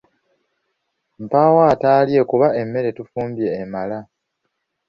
Mpaawo ataalye kubanga emmere twafumbye emala.